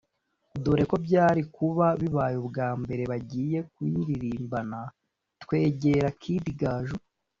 dore ko byari kuba bibaye ubwa mbere bagiye kuyiririmbana twegera Kid Gaju